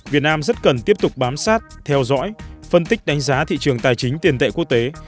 việt nam rất cần tiếp tục bám sát theo dõi phân tích đánh giá thị trường tài chính tiền tệ quốc tế